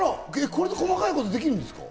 これで細かいことできるんですか？